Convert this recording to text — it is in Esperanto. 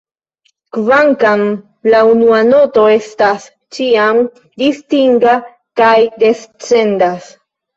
Kvankam, la unua noto estas ĉiam distinga kaj descendas.